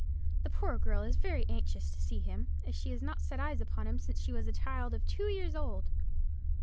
The poor girl is very anxious to see him, as she has not set eyes upon him since she was a child of two years old.